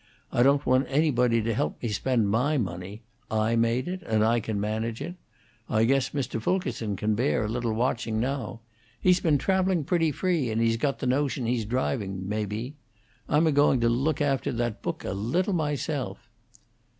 I don't want anybody to help me spend my money. I made it, and I can manage it. I guess Mr. Fulkerson can bear a little watching now. He's been travelling pretty free, and he's got the notion he's driving, maybe. I'm a going to look after that book a little myself."